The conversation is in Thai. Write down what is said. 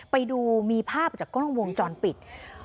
ไปดูภาพเห็นจากกล้องวงจอลปิด